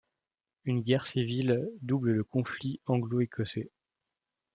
Une guerre civile double le conflit anglo-écossais.